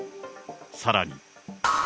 さらに。